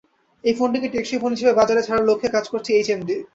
এই ফোনটিকে টেকসই ফোন হিসেবে বাজারে ছাড়ার লক্ষ্যে কাজ করছে এইচএমডি।